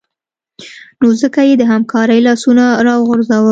نو ځکه یې د همکارۍ لاسونه راوغځول